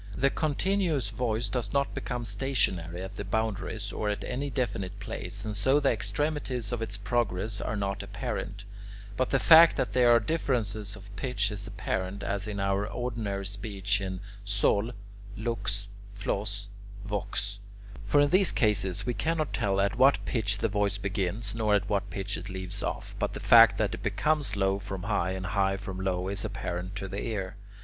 The continuous voice does not become stationary at the "boundaries" or at any definite place, and so the extremities of its progress are not apparent, but the fact that there are differences of pitch is apparent, as in our ordinary speech in sol, lux, flos, vox; for in these cases we cannot tell at what pitch the voice begins, nor at what pitch it leaves off, but the fact that it becomes low from high and high from low is apparent to the ear.